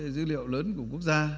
dữ liệu lớn của quốc gia